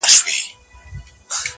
• زه لکه سیوری بې اختیاره ځمه -